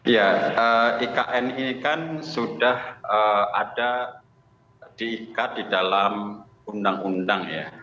ya ikn ini kan sudah ada diikat di dalam undang undang ya